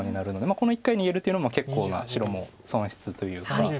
この１回逃げるというのも結構な白も損失というか。